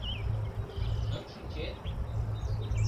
— Шып шинчет?..